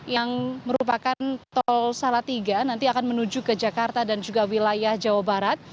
yang merupakan tol salatiga nanti akan menuju ke jakarta dan juga wilayah jawa barat